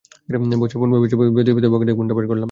বসের ফোন এসেছে ভেবে ব্যতিব্যস্ত হয়ে পকেট থেকে ফোনটা বের করলাম।